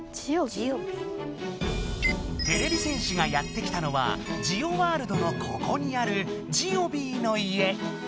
てれび戦士がやって来たのはジオワールドのここにあるジオビーの家。